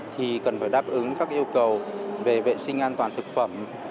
thì cần phải đáp ứng các yêu cầu về vệ sinh an toàn thực phẩm